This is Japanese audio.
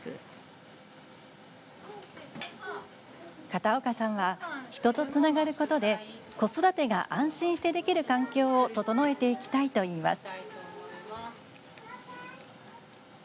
片岡さんは人とつながることで子育てが安心してできる環境を整えていきたいといいます。